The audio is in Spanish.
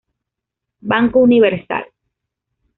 Banco Universal.